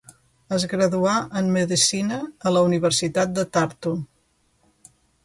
Es graduà en medicina a la Universitat de Tartu.